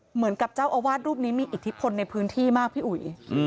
เหมือนกับเจ้าอาวาสรูปนี้มีอิทธิพลในพื้นที่มากพี่อุ๋ย